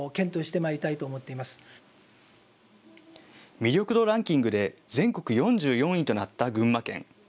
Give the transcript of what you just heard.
魅力度ランキングで、全国４４位となった群馬県。